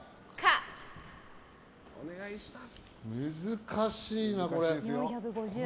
難しいな、これ。